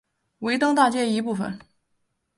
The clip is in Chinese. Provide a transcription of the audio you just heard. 维登大街的一部分。